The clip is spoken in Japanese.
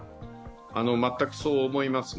全くそう思います。